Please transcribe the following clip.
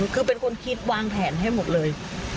คือเป็นคนคิดวางแผนให้หมดเลย